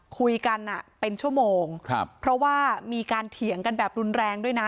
คุยกันอ่ะเป็นชั่วโมงครับเพราะว่ามีการเถียงกันแบบรุนแรงด้วยนะ